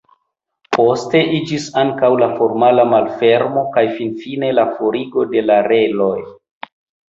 Poste iĝis ankaŭ la formala malfermo kaj finfine la forigo de la reloj.